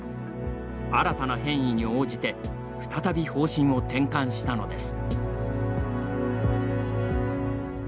新たな変異に応じて再び方針を転換したのです。